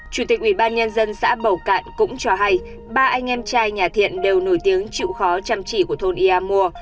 chủ tịch ubnd xã bầu cạn cũng cho hay ba anh em trai nhà thiện đều nổi tiếng chịu khó chăm chỉ của thôn ia mua